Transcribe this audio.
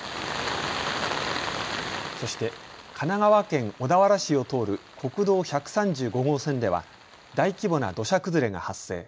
そして神奈川県小田原市を通る国道１３５号線では大規模な土砂崩れが発生。